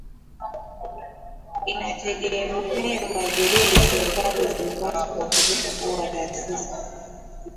inategemezwa vizuri Serikali zinapaswa kuhakikisha kuwa taasisi